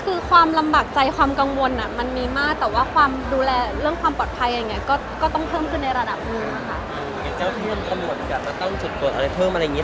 คือความลำบากใจความกังวลอ่ะมันมีมากแต่ว่าความดูแลเรื่องความปลอดภัยอย่างเงี้ก็ก็ต้องเพิ่มขึ้นในระดับหนึ่งอะค่ะ